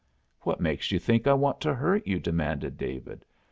] "What makes you think I want to hurt you?" demanded David.